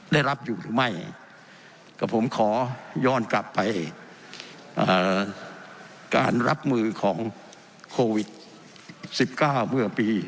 ได้รับอยู่หรือไม่ก็ผมขอย่อนกลับไปอ่าการรับมือของโควิดสิบเก้าเมื่อปี